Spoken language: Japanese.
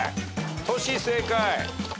トシ正解。